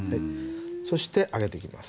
そして揚げていきます。